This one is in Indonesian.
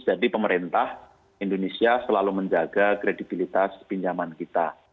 jadi pemerintah indonesia selalu menjaga kredibilitas pinjaman kita